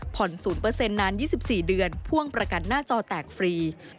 ๐นาน๒๔เดือนพ่วงประกันหน้าจอแตกฟรี